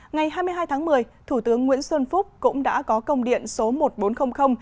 ngày hai mươi hai tháng một mươi thủ tướng nguyễn xuân phúc cũng đã có công điện số một nghìn bốn trăm linh